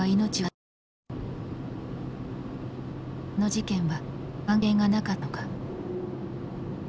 あの事件は関係がなかったのか。